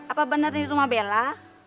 apa benar di rumah bella